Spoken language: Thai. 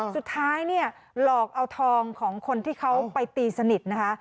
สุดท้ายเนี่ยหลอกเอาทองของคนที่เขาไปตีสนิทนะคะ